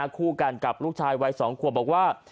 คู่กันกับลูกชายวัย๒ขวบบอกว่า